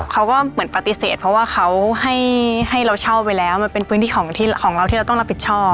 เขาก็เหมือนปฏิเสธเพราะว่าเขาให้เราเช่าไปแล้วมันเป็นพื้นที่ของเราที่เราต้องรับผิดชอบ